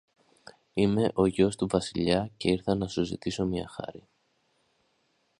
είμαι ο γιος του Βασιλιά και ήρθα να σου ζητήσω μια χάρη.